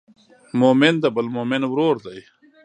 مؤمن د بل مؤمن ورور دی.